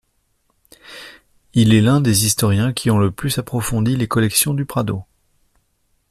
Il est l'un des historiens qui ont le plus approfondi les collections du Prado.